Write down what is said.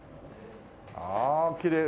あきれい。